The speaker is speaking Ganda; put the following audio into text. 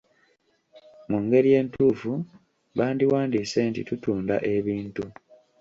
Mu ngeri entuufu bandiwandiise nti tutunda ebintu.